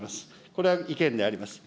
これは意見であります。